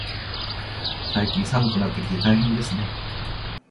最近、寒くなってきて大変ですね。